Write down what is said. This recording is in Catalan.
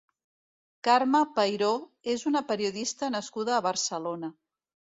Karma Peiró és una periodista nascuda a Barcelona.